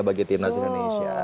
bagi timnas indonesia